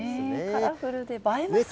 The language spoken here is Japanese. カラフルで映えますね。